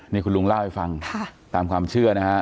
นี่คุณลุงเล่าให้ฟังตามความเชื่อนะฮะ